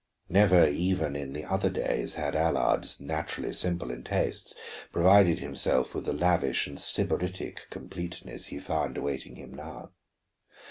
Never even in the other days had Allard, naturally simple in tastes, provided himself with the lavish and sybaritic completeness he found awaiting him now.